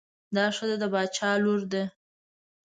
دا ښځه د باچا لور ده.